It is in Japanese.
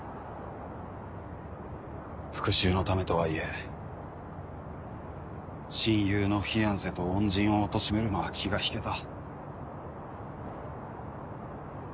復讐のためとはいえ親友のフィアンセと恩人をおとしめるのは気が引けた。